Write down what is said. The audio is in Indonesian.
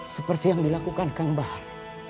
seperti yang dilakukan kang bahar